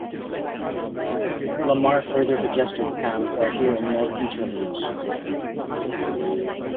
Lamarre further suggested Cam to appear in more interludes.